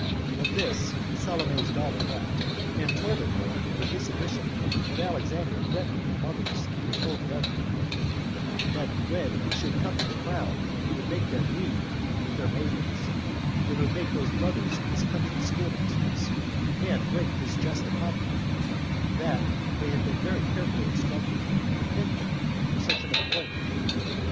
At this Salome's daughter wept, and told it her with this addition, that Alexander threatened the mothers of his other brethren, that when he should come to the crown, he would make them weave with their maidens, and would make those brothers of his country schoolmasters; and brake this jest upon them, that they had been very carefully instructed, to fit them for such an employment.